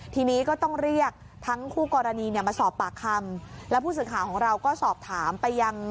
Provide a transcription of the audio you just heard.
ทีนี้ก็ต้องเรียกทั้งคู่กรณีเนี่ยมาสอบปากคำแล้วผู้สื่อข่าวของเราก็สอบถามไปยัง